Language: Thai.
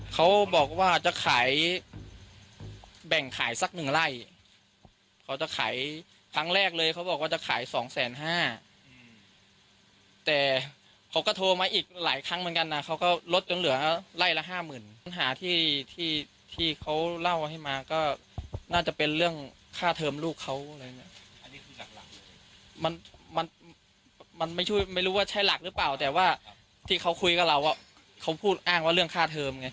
เค้าคุยกับเราเค้าอ้างพูดเรื่องค่าเทิม